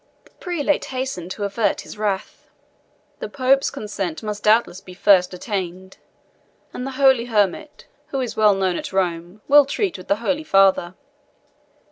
The prelate hastened to avert his wrath. "The Pope's consent must doubtless be first attained, and the holy hermit, who is well known at Rome, will treat with the holy Father."